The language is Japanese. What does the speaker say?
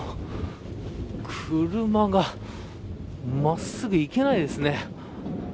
車が真っすぐ行けないですね。